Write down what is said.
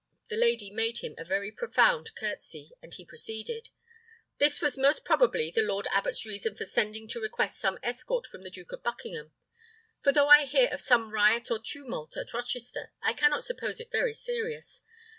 The lady made him a very profound curtsey, and he proceeded: "This was most probably the lord abbot's reason for sending to request some escort from the Duke of Buckingham; for though I hear of some riot or tumult at Rochester, I cannot suppose it very serious.